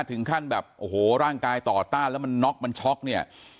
ถึงขั้นแบบโอ้โหร่างกายต่อต้านแล้วมันน็อกมันช็อกเนี่ย